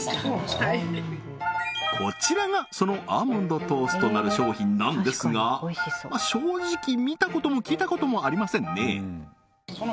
こちらがそのアーモンドトーストなる商品なんですが正直見たことも聞いたこともありませんね